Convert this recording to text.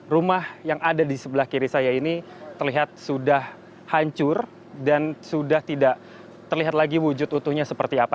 rumah yang ada di sebelah kiri saya ini terlihat sudah hancur dan sudah tidak terlihat lagi wujud utuhnya seperti apa